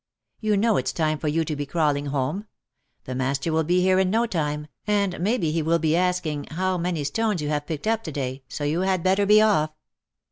You know it's time for you to be crawling home— the master will be here in no time, and maybe he will be after asking how many stones you have picked up 4 to day, so you had better be off."